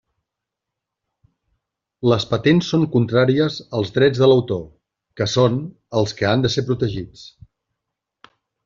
Les patents són contràries als drets de l'autor, que són els que han de ser protegits.